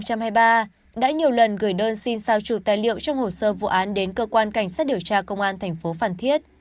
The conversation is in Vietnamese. đã nhiều lần gửi đơn xin sao trụ tài liệu trong hồ sơ vụ án đến cơ quan cảnh sát điều tra công an tp phan thiết